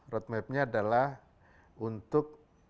roadmapnya adalah untuk